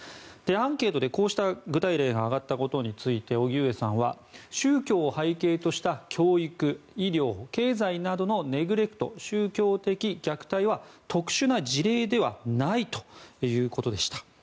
アンケートで、こうした具体例が挙がったことについて荻上さんは宗教を背景とした教育・医療・経済などのネグレクト、宗教的虐待は特殊な事例ではないということでした。